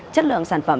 chất lượng sản phẩm